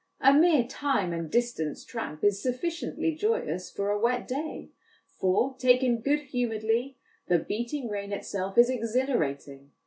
A mere time and distance tramp is sufficiently joyous for a wet day, for, taken good humouredly, the beating rain itself is exhilarating.